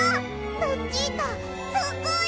ルチータすごい！